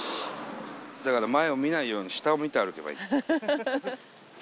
だから前を見ないように下を見て歩けばいい。